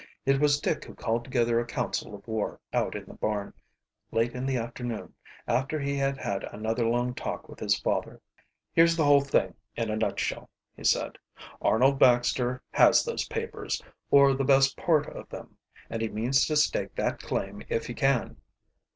It was Dick who called together a council of war, out in the barn, late in the afternoon, after he had had another long talk with his father. "Here's the whole thing in a nutshell," he said. "Arnold Baxter has those papers or the best part of them and he means to stake that claim if he can."